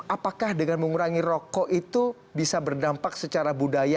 apakah dengan mengurangi rokok itu bisa berdampak secara budaya